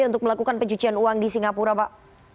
untuk melakukan pencucian uang di singapura pak